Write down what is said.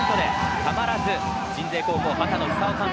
たまらず鎮西高校畑野久雄監督